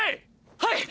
はい！！